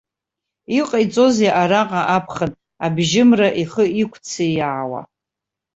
Иҟаиҵозеи араҟа аԥхын, абжьымра ихы иқәццеиаауа.